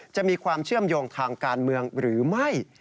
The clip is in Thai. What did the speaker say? จะมีความเชื่อมโยงทางการเมืองหรือไม่